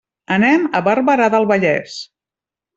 Anem a Barberà del Vallès.